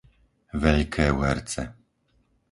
Veľké Uherce